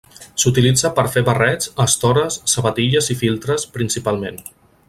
S'utilitza per fer barrets, estores, sabatilles i filtres, principalment.